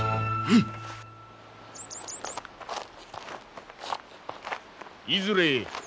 うん！いずれへ？